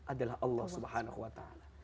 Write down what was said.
adalah allah swt